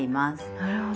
なるほど。